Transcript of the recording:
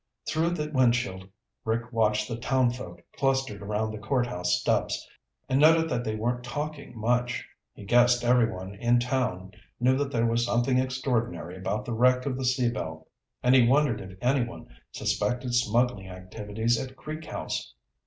Through the windshield Rick watched the townfolk clustered around the courthouse steps and noted that they weren't talking much. He guessed everyone in town knew there was something extraordinary about the wreck of the Sea Belle and he wondered if anyone suspected smuggling activities at Creek House.